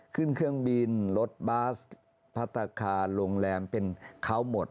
เครื่องบินรถบัสพัฒนาคารโรงแรมเป็นเขาหมด